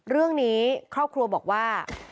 เรื่องนี้ครอบครัวบอกว่า